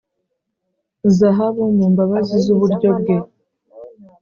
zahabu mu mbabazi z'uburyo bwe,